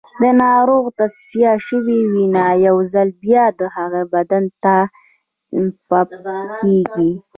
د ناروغ تصفیه شوې وینه یو ځل بیا د هغه بدن ته پمپ کېږي.